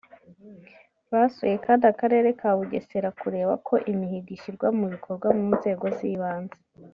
Basuye kandi Akarere ka Bugesera kureba uko Imihigo ishyirwa mu bikorwa mu nzego z’ibanze